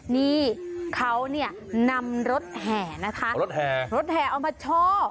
นี่เขานี่นำรถแหนะครับรถแหรถแหเอามาช่อ